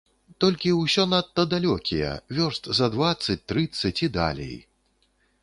Толькі ўсё надта далёкія, вёрст за дваццаць, трыццаць і далей.